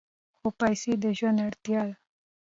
خو پیسې د ژوند اړتیا ده.